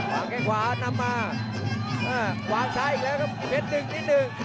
วางแก้งขวานำมาอ่าวางซ้ายอีกแล้วครับพี่เพชรดึงนิดหนึ่ง